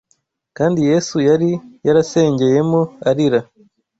kandi Yesu yari yarasengeyemo arira